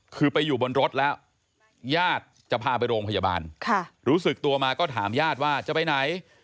คือไปอยู่บนรถแล้วญาติจะพาไปโรงพยาบาลรู้สึกตัวมาก็ถามญาติว่าจะไปไหน